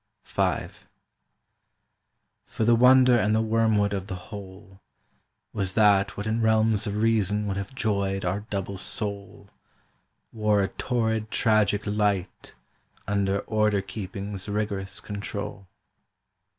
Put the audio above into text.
V For the wonder and the wormwood of the whole Was that what in realms of reason would have joyed our double soul Wore a torrid tragic light Under order keeping's rigorous control.